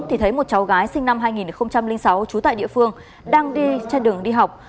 thì thấy một cháu gái sinh năm hai nghìn sáu trú tại địa phương đang đi trên đường đi học